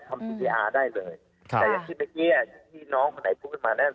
ทำดีจริงได้เลยแต่อย่างที่เมื่อกี้อ่ะที่น้องคนไหนพูดมาน่ะ